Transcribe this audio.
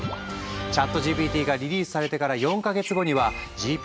ＣｈａｔＧＰＴがリリースされてから４か月後にはＧＰＴ−４が発表された。